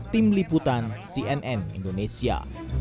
tim liputan cnn indonesia